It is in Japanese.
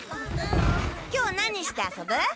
今日何して遊ぶ？